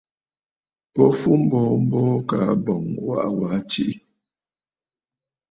Bo fu mboo mboo, kaa ɨ̀bɔ̀ŋ ɨ waʼa waa tiʼì.